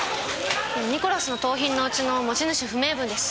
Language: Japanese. ニコラスの盗品のうちの持ち主不明分です。